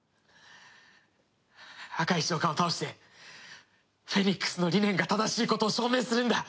赤石長官を倒してフェニックスの理念が正しいことを証明するんだ。